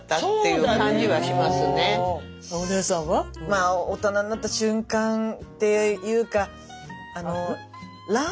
まあ大人になった瞬間っていうかえ？